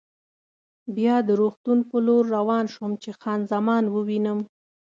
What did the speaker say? بیا د روغتون په لور روان شوم چې خان زمان ووینم.